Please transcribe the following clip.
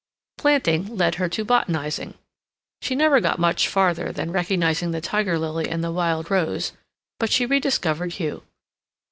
Planting led her to botanizing. She never got much farther than recognizing the tiger lily and the wild rose, but she rediscovered Hugh.